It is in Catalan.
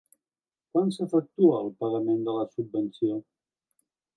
Quan s'efectua el pagament de la subvenció?